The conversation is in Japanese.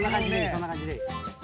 そんな感じでいい。